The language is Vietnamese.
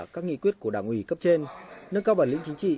các nghị quyết của đảng ủy cấp trên nâng cao bản lĩnh chính trị